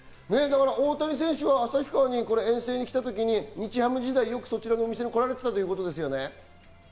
大谷選手は旭川に遠征に来た時に、日ハム時代、そちらのお店によく来られていたということですね。